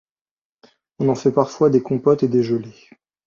On en fait parfois des compotes et des gelées.